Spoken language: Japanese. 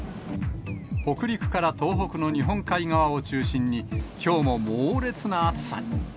北陸から東北の日本海側を中心に、きょうも猛烈な暑さに。